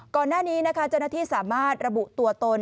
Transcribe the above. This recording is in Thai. ก่อนหน้านี้นะคะเจ้าหน้าที่สามารถระบุตัวตน